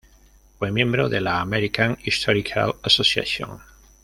Fue miembro de la American Historical Association.